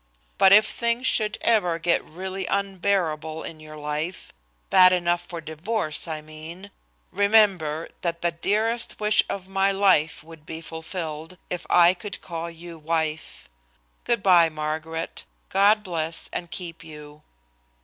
But if things should ever get really unbearable in your life, bad enough for divorce, I mean, remember that the dearest wish of my life would be fulfilled if I could call you wife. Good by, Margaret. God bless and keep you."